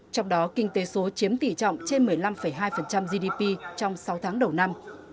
trong đó kinh tế số chiếm tỷ trọng trên một mươi năm hai gdp trong sáu tháng đầu năm